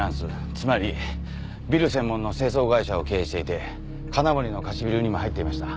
つまりビル専門の清掃会社を経営していて金森の貸しビルにも入っていました。